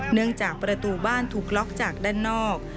เนื่องจากประตูบ้านถูกล็อกจากด้านนอก